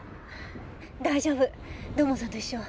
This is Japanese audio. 大丈夫土門さんと一緒。